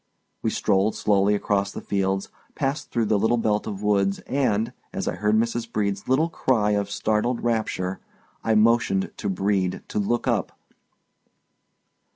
We strolled slowly across the fields, passed through the little belt of woods and, as I heard Mrs. Brede's little cry of startled rapture, I motioned to Brede to look up.